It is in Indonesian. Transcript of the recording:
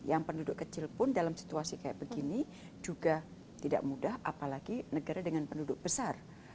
yang penduduk kecil pun dalam situasi kayak begini juga tidak mudah apalagi negara dengan penduduk besar